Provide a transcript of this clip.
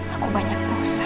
aku banyak bangsa